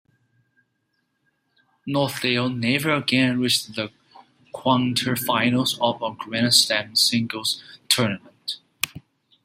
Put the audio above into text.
Nuthall never again reached the quarterfinals of a Grand Slam singles tournament.